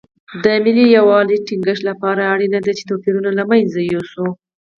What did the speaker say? د ملي یووالي ټینګښت لپاره اړینه ده چې توپیرونه له منځه یوسو.